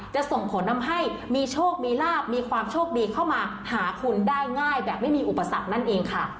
จะส่งผลทำให้มีโชคมีลาบมีความโชคดีเข้ามาหาคุณได้ง่ายแบบไม่มีอุปสรรคนั่นเองค่ะ